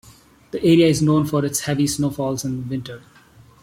The area is known for its heavy snowfalls in winter.